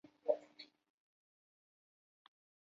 汶干府是泰国的一个府。